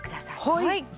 はい。